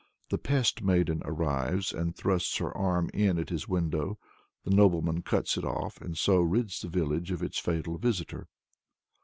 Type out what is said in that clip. The Pest Maiden arrives, and thrusts her arm in at his window. The nobleman cuts it off, and so rids the village of its fatal visitor.